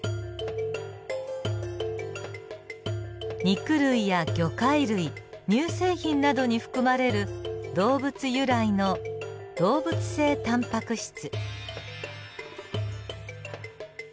肉類や魚介類乳製品などに含まれる動物由来の動物性タンパク質。